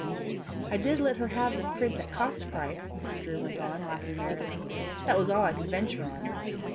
"I did let her have the print at cost price," Mr. Drew went on, laughing merrily. "That was all I could venture on."